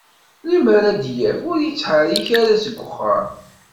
Limmer ad yaf ur yettḥarrik ara seg uxxam.